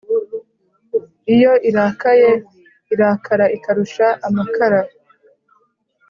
iyo irakaye irakara ikarusha amakara